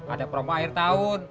ada promo akhir tahun